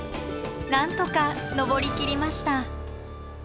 なんとか上りきりました。